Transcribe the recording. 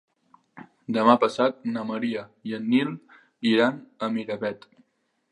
Demà passat na Maria i en Nil iran a Miravet.